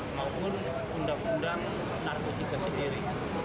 maupun undang undang narkotika sendiri